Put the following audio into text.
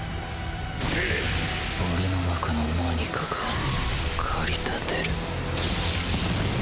俺の中の何かが駆り立てる